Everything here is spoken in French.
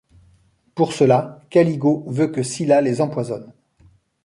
Pour cela, Caligo veut que Scylla les empoisonne.